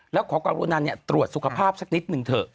แล้วขอความรุณาตรวจสุขภาพสักนิดหนึ่งเถอะ